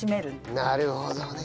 なるほどね。